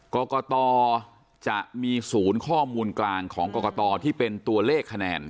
กรกตจะมีศูนย์ข้อมูลกลางของกรกตที่เป็นตัวเลขคะแนน